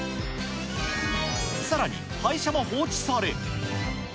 さらに廃車も放置され。